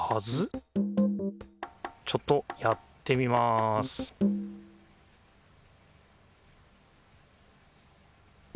ちょっとやってみますお？